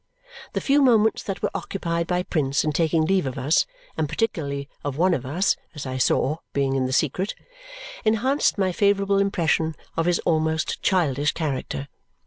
The few moments that were occupied by Prince in taking leave of us (and particularly of one of us, as I saw, being in the secret), enhanced my favourable impression of his almost childish character.